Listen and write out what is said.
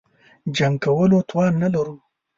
جنګ کولو توان نه لرو.